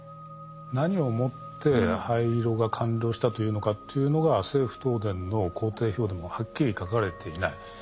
何をもって廃炉が完了したというのかというのが政府・東電の工程表でもはっきり書かれていない。